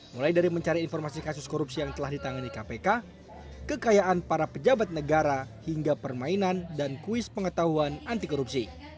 mulai dari mencari informasi kasus korupsi yang telah ditangani kpk kekayaan para pejabat negara hingga permainan dan kuis pengetahuan anti korupsi